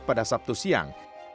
pada sabtu siang